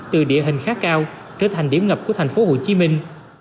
từ địa hình khá cao trở thành điểm ngập của thành phố hồ chí minh